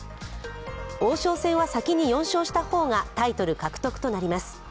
王将戦は先に４勝した方がタイトル獲得となります。